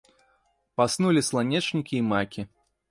Паснулі сланечнікі і макі.